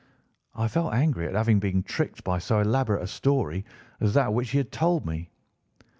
"I felt angry at having been tricked by so elaborate a story as that which he had told me.